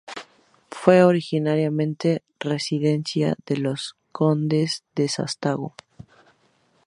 Fue originariamente residencia de los Condes de Sástago.